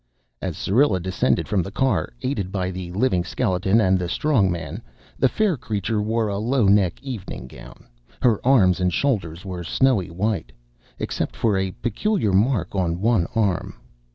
As Syrilla descended from the car, aided by the Living Skeleton and the Strong Man, the fair creature wore a low neck evening gown. Her arms and shoulders were snowy white (except for a peculiar mark on one arm).